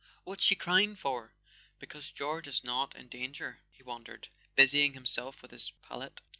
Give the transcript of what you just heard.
"What's she crying for? Because George is not in danger?" he wondered, busying himself with his palette.